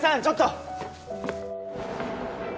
ちょっと。